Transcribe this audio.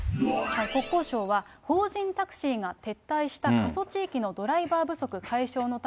国交省は、法人タクシーが撤退した過疎地域のドライバー不足解消